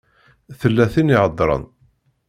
Tella tin i iheddṛen.